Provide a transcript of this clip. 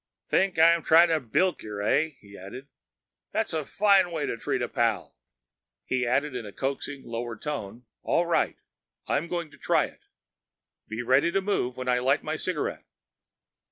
"Think I'm tryin' to bilk yer, eh?" he added. "That's a fine way to treat a pal!" He added in the coaxing lower tone, "All right, I'm going to try it. Be ready to move when I light my cigarette."